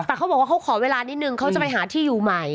แต่เขาบอกว่าเขาขอเวลานิดนึงเขาจะไปหาที่อยู่ใหม่